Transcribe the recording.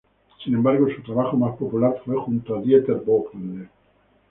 Sin embargo, su trabajo más popular, fue junto a Dieter Bohlen.